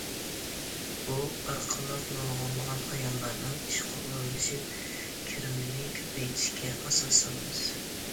بۇ ئارقىلىق نۇرغۇنلىغان ئاياللارنىڭ ئىشقا ئورۇنلىشىپ، كىرىمىنى كۆپەيتىشىگە ئاساس سالىمىز.